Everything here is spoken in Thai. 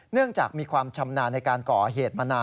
เนื่องจากมีความชำนาญในการก่อเหตุมานาน